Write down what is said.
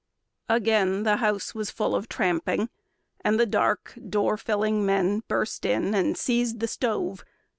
Again The house was full of tramping, and the dark, Door filling men burst in and seized the stove.